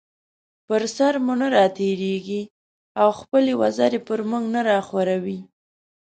پر سر مو نه راتېريږي او خپلې وزرې پر مونږ نه راخوروي